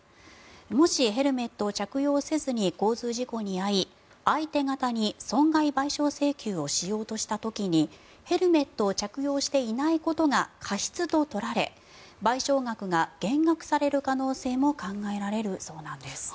もし、ヘルメットを着用せずに交通事故に遭い相手側に損害賠償請求をしようとした時にヘルメットを着用していないことが過失と取られ賠償額が減額される可能性も考えられるそうなんです。